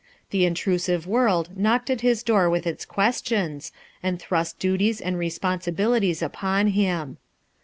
The intrusive Worlj knocked at his door with its questions, and thrust duties and responsibilities upon him.